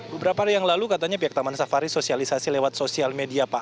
beberapa hari yang lalu katanya pihak taman safari sosialisasi lewat sosial media pak